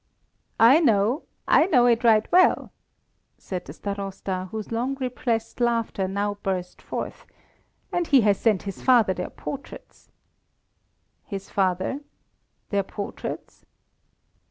"I know I know it right well," said the Starosta, whose long repressed laughter now burst forth, "and he has sent his father their portraits." "His father? Their portraits?"